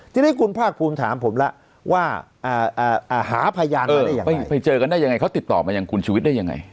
ทีนี้คุณภาคภูมิถามผมแล้วว่าหาพยานมาได้ยังไงไปเจอกันได้ยังไงเขาติดต่อมายังคุณชุวิตได้ยังไง